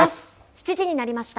７時になりました。